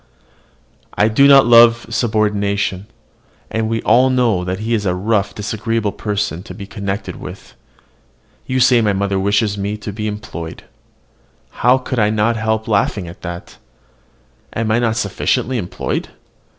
I do not love subordination; and we all know that he is a rough, disagreeable person to be connected with. You say my mother wishes me to be employed. I could not help laughing at that. Am I not sufficiently employed?